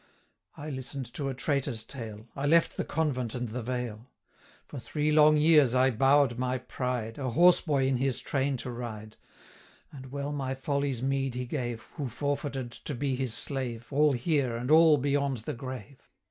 I listen'd to a traitor's tale, I left the convent and the veil; For three long years I bow'd my pride, A horse boy in his train to ride; 505 And well my folly's meed he gave, Who forfeited, to be his slave, All here, and all beyond the grave.